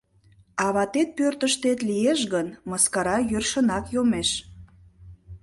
А ватет пӧртыштет лиеш гын — мыскара йӧршынак йомеш.